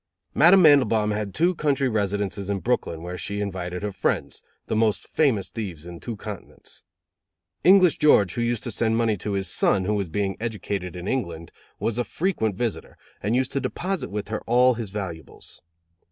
Madame Mandelbaum had two country residences in Brooklyn where she invited her friends, the most famous thieves in two continents. English George, who used to send money to his son, who was being educated in England, was a frequent visitor, and used to deposit with her all his valuables.